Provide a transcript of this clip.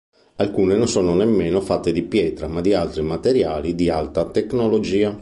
Alcune non sono nemmeno fatte di pietra ma di altri materiali di alta tecnologia.